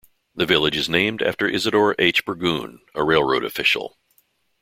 The village is named after Isadore H. Burgoon, a railroad official.